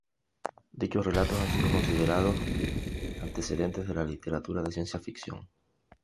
Dichos relatos han sido considerados antecedentes de la literatura de ciencia-ficción.